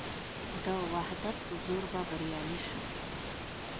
د وحدت په زور به بریالي شو.